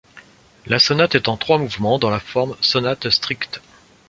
La sonate est en trois mouvements dans la forme sonate stricte.